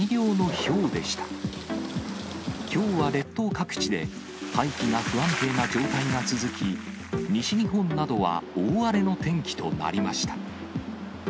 きょうは列島各地で大気が不安定な状態が続き、西日本などは大荒れの天気となりました。